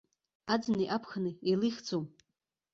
Аӡыни аԥхыни еилихӡом.